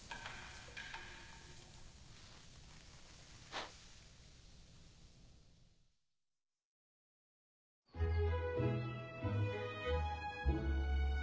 フッ。